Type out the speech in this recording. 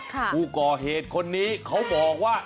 ผู้ก่อเหตุคนนี้เขาบอกว่า